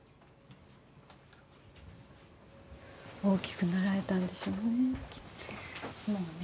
大きくなられたんでしょう？